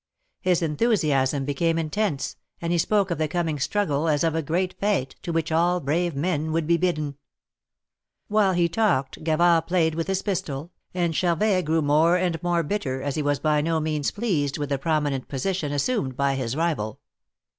His enthusiasm became intense, and he spoke of the coming struggle as of a great fete, to which all brave men Avould be bidden. While he talked Gavard played Avith his pistol, and Charvet grew more and more bitter, as he Avas by no means pleased with the prominent position assumed by his rival.